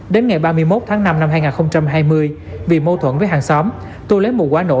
đến ngày ba mươi một tháng năm năm hai nghìn hai mươi vì mâu thuẫn với hàng xóm tôi lấy một quả nổ